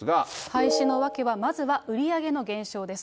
廃止の訳は、まずは売り上げの減少です。